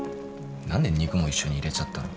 何で肉も一緒に入れちゃったの？